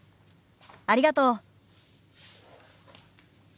ありがとう。